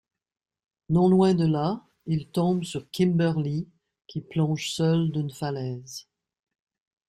Non loin de là, il tombe sur Kimberly, qui plonge seule d'une falaise.